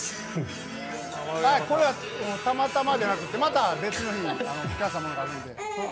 これはたまたまじゃなくてまた別の日に聴かせたものがある。